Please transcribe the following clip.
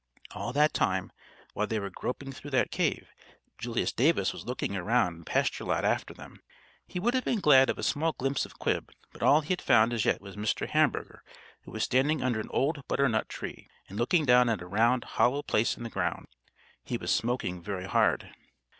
All that time, while they were groping through that cave, Julius Davis was looking around the pasture lot after them. He would have been glad of a small glimpse of Quib, but all he had found as yet was Mr. Hamburger, who was standing under an old butternut tree and looking down at a round, hollow place in the ground. He was smoking very hard.